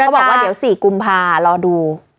เขาบอกว่าเดี๋ยวสี่กุมภาคมรอดู